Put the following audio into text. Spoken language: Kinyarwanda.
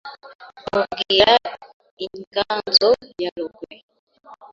Mubwira inganzo ya Rugwe